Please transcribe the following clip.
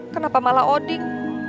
kenapa malah odin